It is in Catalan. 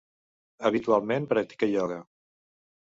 Habitualment practica ioga.